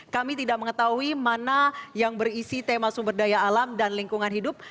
kami tidak mengetahui mana yang berisi tema sumber daya alam dan lingkungan hidup